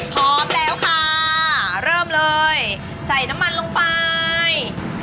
พร้อมแล้วค่ะเริ่มเลยใส่น้ำมันลงไป